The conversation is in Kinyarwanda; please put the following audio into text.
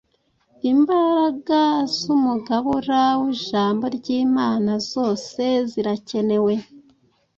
Imbaraga z’umugabura w’ijambo ry’Imana zose zirakenewe.